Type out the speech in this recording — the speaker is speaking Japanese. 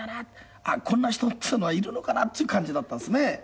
こんな人っていうのはいるのかなっていう感じだったんですね。